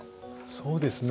そうですね